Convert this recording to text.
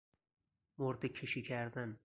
مرده کشی کردن